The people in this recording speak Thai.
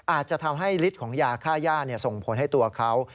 อาจจะทำให้ฤทธิ์ของยาค่าย่าส่งผลให้ตัวเขา